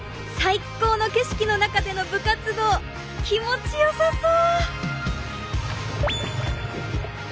いっこうの景色の中での部活動気持ちよさそう！